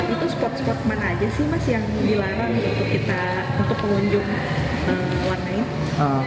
itu spot spot mana aja sih mas yang dilarang untuk kita untuk pengunjung warna ini